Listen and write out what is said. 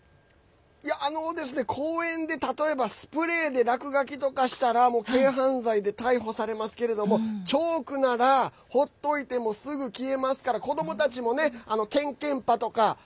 公園で例えばスプレーで落書きとかしたら軽犯罪で逮捕されますけどチョークならほっといてもすぐ消えますから子どもたちも、けんけんぱとかね